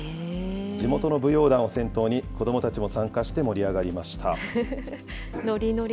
地元の舞踊団を先頭に、子どもたちも参加して盛り上がりました。